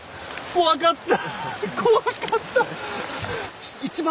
怖かった。